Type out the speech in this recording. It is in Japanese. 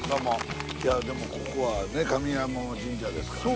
いやでもここは上賀茂神社ですからね。